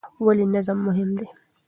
ولې نظم مهم دی؟